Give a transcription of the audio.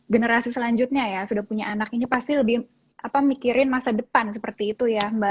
generasi selanjutnya ya sudah punya anak ini pasti lebih mikirin masa depan seperti itu ya mbak